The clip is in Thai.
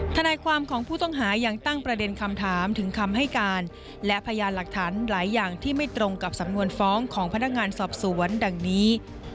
ทนายความของผู้ต้องหายังตั้งประเด็นคำถามถึงคำให้การและพยานหลักฐานหลายอย่างที่ไม่ตรงกับสำนวนฟ้องของพนักงานสอบสวนดังนี้